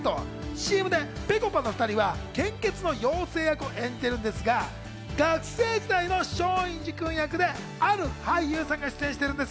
ＣＭでぺこぱのお２人は献血の妖精役を演じているんですが、学生時代の松陰寺君役である俳優さんが出演しているんです。